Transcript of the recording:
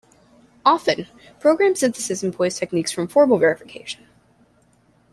Often, program synthesis employs techniques from formal verification.